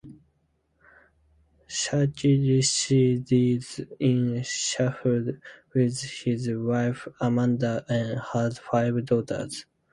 Sharkey resides in Sheffield with his wife Amanda and has five daughters.